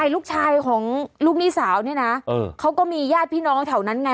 ลูกชายของลูกหนี้สาวเนี่ยนะเขาก็มีญาติพี่น้องแถวนั้นไง